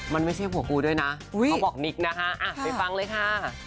มันไม่ใช่หัวกูด้วยนะเขาบอกนิกนะคะไปฟังเลยค่ะ